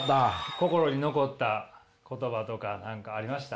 心に残った言葉とか何かありました？